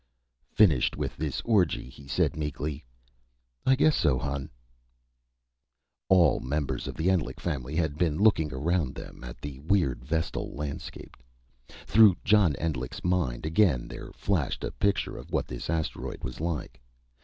Finished with this orgy, he said meekly: "I guess so, Hon." All members of the Endlich family had been looking around them at the weird Vestal landscape. Through John Endlich's mind again there flashed a picture of what this asteroid was like.